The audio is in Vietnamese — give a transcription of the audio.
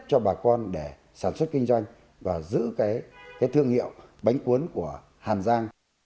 cho bà con để sản xuất kinh doanh và giữ cái thương hiệu bánh cuốn của hàn giang